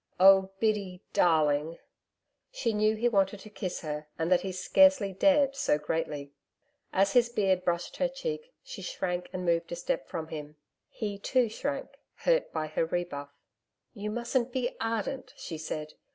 'Oh! Biddy ... darling.' She knew he wanted to kiss her, and that he scarcely dared so greatly.... As his beard brushed her cheek, she shrank and moved a step from him. He, too, shrank, hurt by her rebuff. 'You mustn't be ardent,' she said.